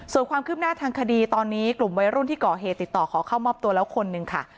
ส่วนความคืบหน้าทางคดีตอนนี้กลุ่มวัยรุ่นที่ก่อเหตุติดต่อขอเข้ามอบตัวแล้วคนหนึ่งค่ะ